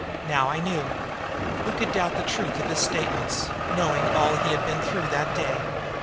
Now, I knew. Who could doubt the truth of his statements, knowing all he had been through that day?